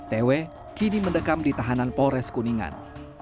tw kini mendekam di tahanan polres kuningan